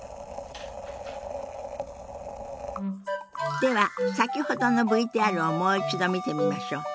では先ほどのＶＴＲをもう一度見てみましょう。